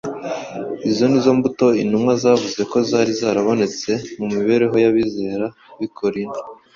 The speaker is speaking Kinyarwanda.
Izo ni zo mbuto intumwa yavuze ko zari zarabonetse mu mibereho y’abizera b’i Korinto.